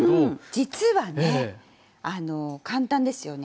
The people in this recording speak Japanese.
実はね簡単ですよね。